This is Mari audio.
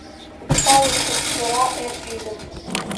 Талын, эскера эр йӱдым.